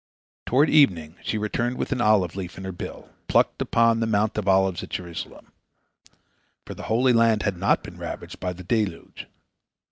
Toward evening she returned with an olive leaf in her bill, plucked upon the Mount of Olives at Jerusalem, for the Holy Land had not been ravaged by the deluge.